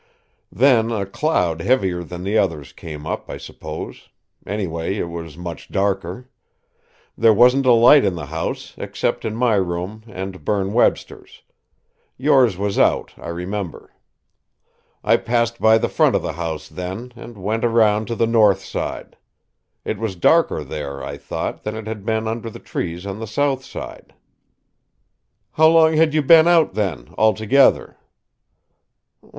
"Then a cloud heavier than the others came up, I suppose. Anyway, it was much darker. There wasn't a light in the house, except in my room and Berne Webster's. Yours was out, I remember. I passed by the front of the house then, and went around to the north side. It was darker there, I thought, than it had been under the trees on the south side." "How long had you been out then, altogether?"